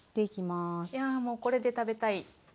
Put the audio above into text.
いやもうこれで食べたい！